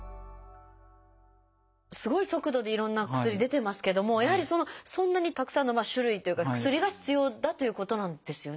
すごい速度でいろんな薬出てますけどもやはりそんなにたくさんの種類というか薬が必要だということなんですよね。